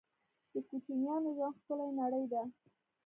د کوچنیانو ژوند ښکلې نړۍ ده